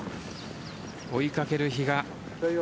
追いかける比嘉。